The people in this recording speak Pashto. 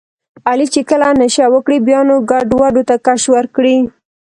علي چې کله نشه وکړي بیا نو ګډوډو ته کش ورکړي.